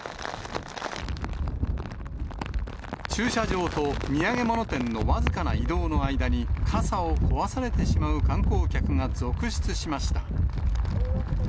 駐車場と土産物店の僅かな移動の間に、傘を壊されてしまう観光客が続出しました。